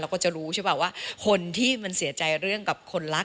ก็จะรู้ใช่ป่ะว่าคนที่มันเสียใจเรื่องกับคนรัก